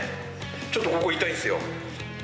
ちょっとここ痛いですよ。